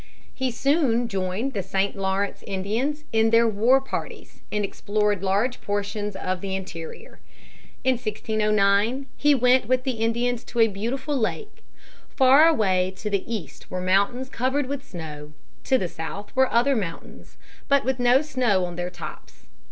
He soon joined the St. Lawrence Indians in their war parties and explored large portions of the interior. In 1609 he went with the Indians to a beautiful lake. Far away to the east were mountains covered with snow. To the south were other mountains, but with no snow on their tops.